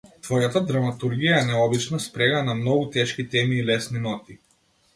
Твојата драматургија е необична спрега на многу тешки теми и лесни ноти.